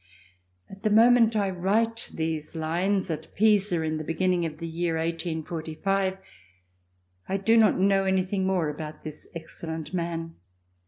At the moment I write these lines, at Pisa, at the beginning of the year 1845, I do not know anything more about this excellent man.